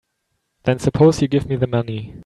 Then suppose you give me the money.